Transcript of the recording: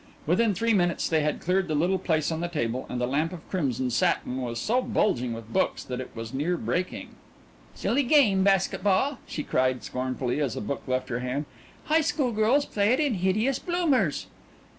Within three minutes they had cleared a little place on the table, and the lamp of crimson satin was so bulging with books that it was near breaking. "Silly game, basket ball," she cried scornfully as a book left her hand. "High school girls play it in hideous bloomers."